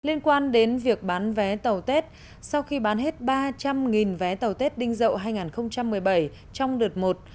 liên quan đến việc bán vé tàu tết sau khi bán hết ba trăm linh vé tàu tết đinh dậu hai nghìn một mươi bảy trong đợt một